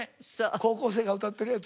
高校生が歌ってるやつ。